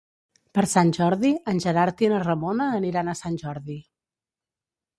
Per Sant Jordi en Gerard i na Ramona aniran a Sant Jordi.